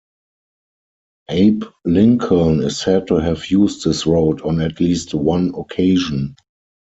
Abe Lincoln is said to have used this road on at least one occasion.